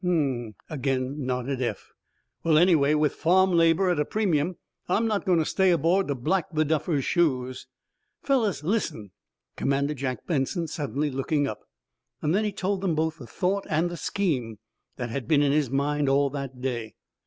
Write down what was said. "Hum" again nodded Eph. "Well, anyway, with farm labor at a premium, I'm not going to stay aboard to black the duffer's shoes." "Fellows, listen!" commanded Jack Benson, suddenly looking up. Then he told them both the thought and the scheme that had been in his mind all that day.